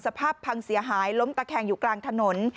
พังเสียหายล้มตะแคงอยู่กลางถนน